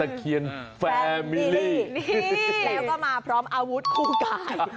เคียนแฟมิลี่แล้วก็มาพร้อมอาวุธคู่กาย